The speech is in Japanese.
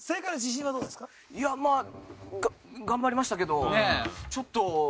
いやまあ頑張りましたけどちょっと。